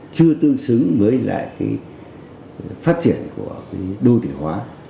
chưa tương xứng với lại phát triển của đô thị hóa